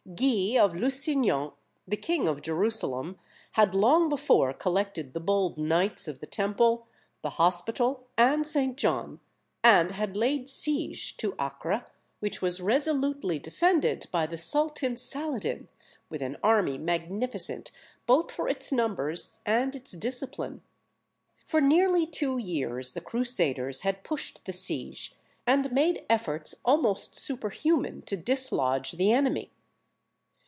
Guy of Lusignan, the king of Jerusalem, had long before collected the bold Knights of the Temple, the Hospital, and St. John, and had laid siege to Acre, which was resolutely defended by the Sultan Saladin, with an army magnificent both for its numbers and its discipline. For nearly two years the Crusaders had pushed the siege, and made efforts almost superhuman to dislodge the enemy.